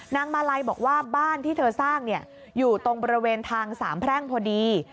นางมาลัยบอกว่าบ้านที่เธอสร้างอยู่ตรงบริเวณทางสามแพร่งพอดี